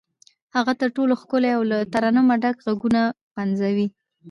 هغه تر ټولو ښکلي او له ترنمه ډک غږونه پنځوي.